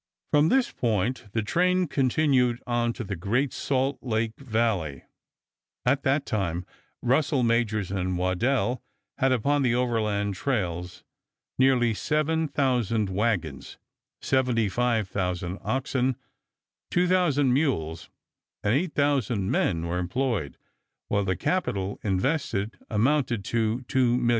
From this point the train continued on to the Great Salt Lake Valley. At that time Russell, Majors & Waddell had upon the overland trails nearly seven thousand wagons; 75,000 oxen, 2,000 mules, and 8,000 men were employed, while the capital invested amounted to $2,000,000.